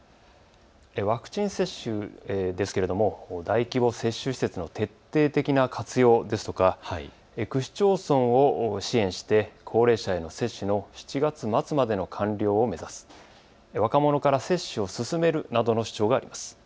ワクチン接種ですけれども、大規模接種施設の徹底的な活用ですとか、区市町村を支援して高齢者への接種の７月末までの完了を目指す、若者から接種を進めるなどの主張があります。